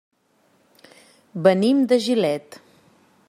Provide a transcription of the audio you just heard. Venim de Gilet.